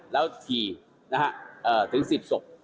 แล้วถี่ถึงสิบศพ